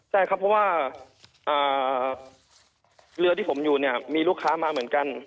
ใช่ครับเพราะว่าเรือที่ผมอยู่เนี่ยมีลูกค้ามาเหมือนกัน